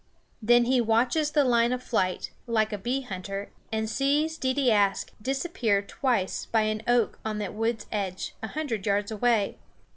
Then he watches the line of flight, like a bee hunter, and sees Deedeeaskh disappear twice by an oak on the wood's edge, a hundred yards away.